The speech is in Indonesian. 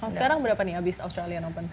sekarang berapa nih abis australian open